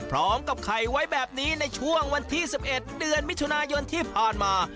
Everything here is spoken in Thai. พร้อมกับไข่ไว้แบบนี้ในช่วงวันที่๑๑เดือนมิถุนายนที่ผ่านมา